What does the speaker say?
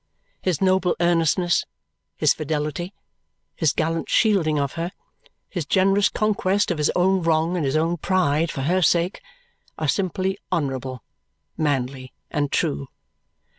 His noble earnestness, his fidelity, his gallant shielding of her, his generous conquest of his own wrong and his own pride for her sake, are simply honourable, manly, and true.